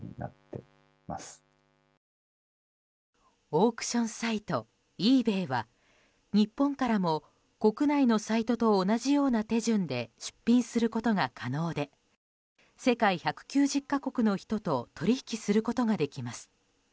オークションサイトイーベイは日本からも国内のサイトと同じような手順で出品することが可能で世界１９０か国の人と取引することができます。